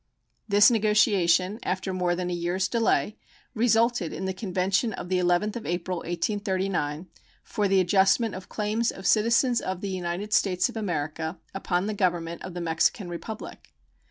This negotiation, after more than a year's delay, resulted in the convention of the 11th of April, 1839, "for the adjustment of claims of citizens of the United States of America upon the Government of the Mexican Republic."